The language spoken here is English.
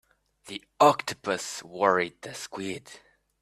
The octopus worried the squid.